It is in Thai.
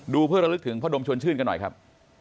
เพื่อระลึกถึงพ่อดมชวนชื่นกันหน่อยครับ